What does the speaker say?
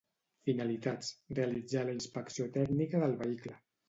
Finalitats: realitzar la inspecció tècnica del vehicle